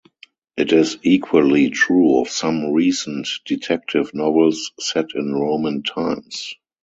It is equally true of some recent detective novels set in Roman times.